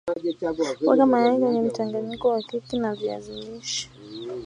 weka mayai kwenye mchanganyiko wa keki ya viazi lishe